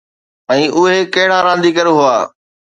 ۽ اهي ڪهڙا رانديگر هئا؟